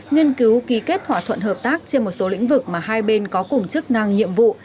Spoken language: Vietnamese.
nghiên cứu ký kết thỏa thuận hợp tác trên một số lĩnh vực mà hai bên có cùng chức năng nhiệm vụ